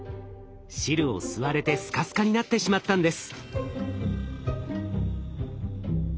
汁を吸われてスカスカになってしまったんです。